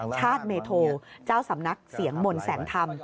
ชาติเมโทเจ้าสำนักเสียงมนต์แสงธรรม